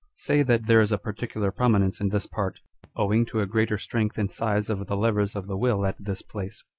Say that there is a particular promi nence in this part, owing to a greater strength and size of the levers of the will at this place.